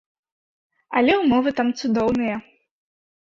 Але ўмовы там цудоўныя.